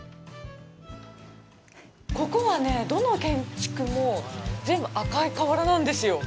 ここはね、どの建築も全部赤い瓦なんですよ。